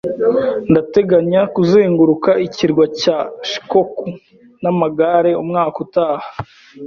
Ndateganya kuzenguruka ikirwa cya Shikoku n'amagare umwaka utaha.